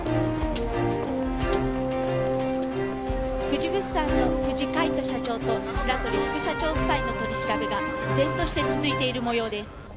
久慈物産の久慈海人社長と白鳥副社長夫妻の取り調べが依然として続いている模様です。